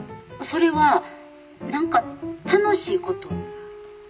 「それは何か楽しいこと？」。